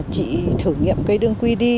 chị thử nghiệm cây đường quy đi